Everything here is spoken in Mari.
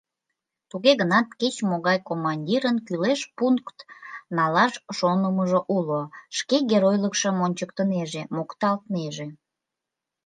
Туге гынат кеч-могай командирын кӱлеш пункт налаш шонымыжо уло; шке геройлыкшым ончыктынеже, мокталтнеже.